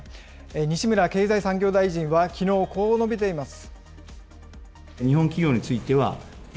西村経済産業大臣はきのう、こう述べています。